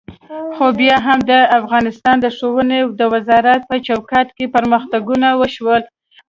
خو بیا هم د افغانستان د ښوونې د وزارت په چوکاټ کې پرمختګونه وشول.